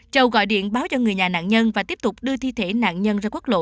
châu gọi điện báo cho người nhà nạn nhân và tiếp tục đưa thi thể nạn nhân ra quốc lộ